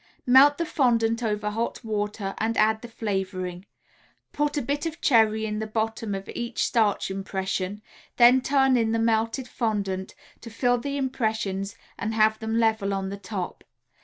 Melt the fondant over hot water and add the flavoring. Put a bit of cherry in the bottom of each starch impression, then turn in the melted fondant, to fill the impressions and have them level on the top.